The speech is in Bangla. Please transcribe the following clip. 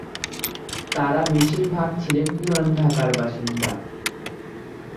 তারা বেশির ভাগ ছিলেন পুরান ঢাকার বাসিন্দা।